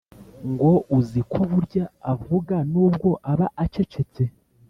ngo uziko burya avuga nubwo aba acecetse